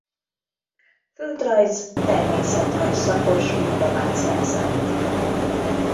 Földrajz-természetrajz szakos diplomát szerzett.